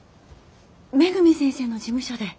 恵先生の事務所で。